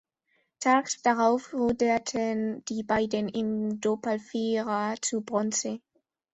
Tags darauf ruderten die beiden im Doppelvierer zu Bronze.